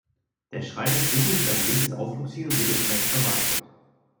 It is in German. Der Schrein des Buches ist ein beliebtes Ausflugsziel und wird entsprechend vermarktet.